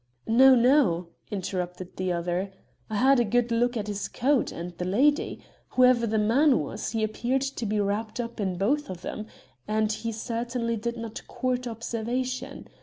"No, no," interrupted the other. "I had a good look at his coat and the lady. Whoever the man was, he appeared to be wrapped up in both of them, and he certainly did not court observation.